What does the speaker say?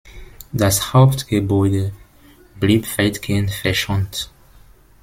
Das Hauptgebäude blieb weitgehend verschont.